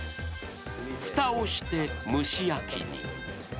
［ふたをして蒸し焼きに］